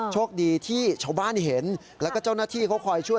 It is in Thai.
โชคดีที่ชาวบ้านเห็นแล้วก็เจ้าหน้าที่เขาคอยช่วย